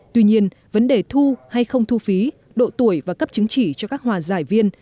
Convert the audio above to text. tuy nhiên vấn đề thu hay không thu phí độ tuổi và cấp chứng chỉ cho các hòa giải viên